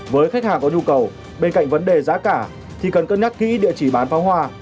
với khách hàng có nhu cầu bên cạnh vấn đề giá cả thì cần cân nhắc kỹ địa chỉ bán pháo hoa